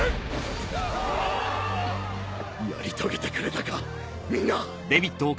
やり遂げてくれたかみんな！